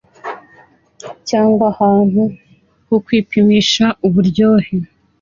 cyangwa ahantu ho kwipimisha uburyohe